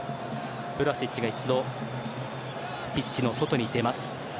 ヴラシッチが一度ピッチの外に出ます。